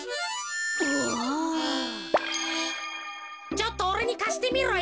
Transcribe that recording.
ちょっとおれにかしてみろよ。